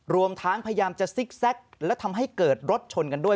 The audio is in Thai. รวมทั้งพยายามจะซิกแซคและทำให้เกิดรถชนกันด้วย